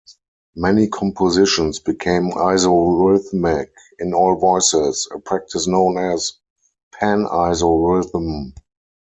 Many compositions became isorhythmic in all voices, a practice known as panisorhythm.